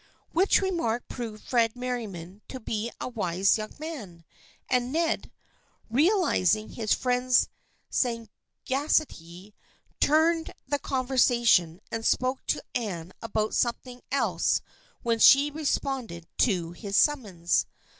Which remark proved Fred Merriam to be a wise young man, and Ned, realizing his friend's sagac ity, turned the conversation and spoke to Anne about something else when she responded to his summons.